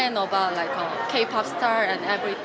kita berlatih selama tiga tahun kadang dua belas tahun